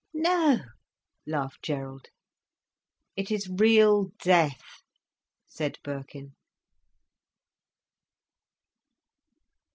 "No," laughed Gerald. "It is real death," said Birkin.